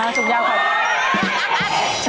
อ๋อสูงยาวข่าวดี